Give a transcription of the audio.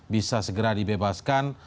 bisa segera dibebaskan